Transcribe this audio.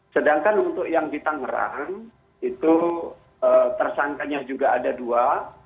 sedangkan untuk yang di tangerang itu tersangkanya juga ada dua